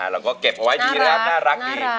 เราก็เก็บไว้ที่นี่นะน่ารักดี